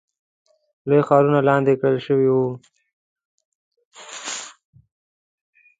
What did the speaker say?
لوی ښارونه لاندې کړل شوي وو.